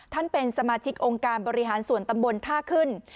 เป็นสมาชิกองค์การบริหารส่วนตำบลท่าขึ้น